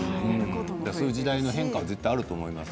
そういう時代の変化があると思います。